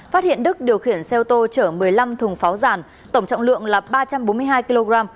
phát hiện đức điều khiển xe ô tô chở một mươi năm thùng pháo giàn tổng trọng lượng là ba trăm bốn mươi hai kg